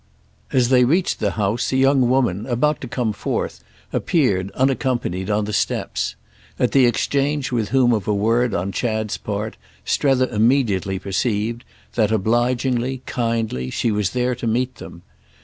As they reached the house a young woman, about to come forth, appeared, unaccompanied, on the steps; at the exchange with whom of a word on Chad's part Strether immediately perceived that, obligingly, kindly, she was there to meet them.